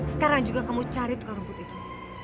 sekarang juga kamu cari tukang rumput itu